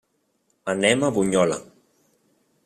Anem a Bunyola.